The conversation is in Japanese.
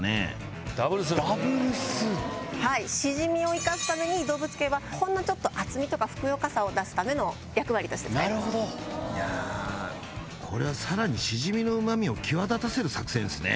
ダブルスープはいしじみを生かすために動物系はほんのちょっと厚みとかふくよかさを出すための役割として使いますなるほどいやこれは更にしじみのうま味を際立たせる作戦ですね